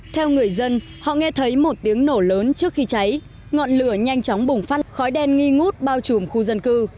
theo người dân họ nghe thấy một tiếng nổ lớn trước khi cháy ngọn lửa nhanh chóng bùng phát khói đen nghi ngút bao trùm khu dân cư